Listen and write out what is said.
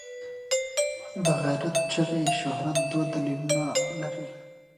د غیرت چغې شهرت دوه دلیلونه لري.